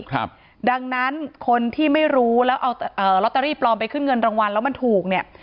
ครับดังนั้นคนที่ไม่รู้แล้วเอาเอ่อลอตเตอรี่ปลอมไปขึ้นเงินรางวัลแล้วมันถูกเนี่ย